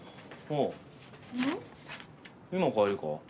今帰りか？